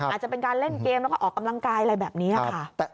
อาจจะเป็นการเล่นเกมแล้วก็ออกกำลังกายอะไรแบบนี้ค่ะ